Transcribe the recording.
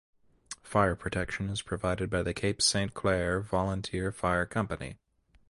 Fire protection is provided by the Cape Saint Claire Volunteer Fire Company.